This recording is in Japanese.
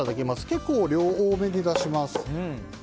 結構、量を多めに出します。